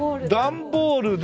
段ボールで。